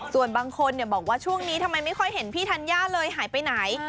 ส่วนบางคนบอกว่าช่วงนี้ทำไมไม่ค่อยเห็นพี่ธัญญาเลยหายไปไหน